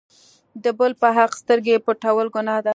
د بل په حق سترګې پټول ګناه ده.